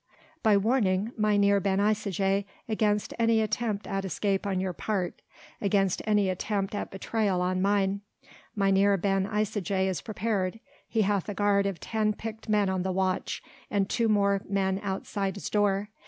"By warning Mynheer Ben Isaje against any attempt at escape on your part, against any attempt at betrayal on mine. Mynheer Ben Isaje is prepared: he hath a guard of ten picked men on the watch, and two more men outside his door.